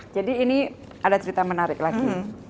jadi ini ada cerita menarik lagi